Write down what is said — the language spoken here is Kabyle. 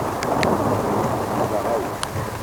Maɣef ay tbeddel aɣawas?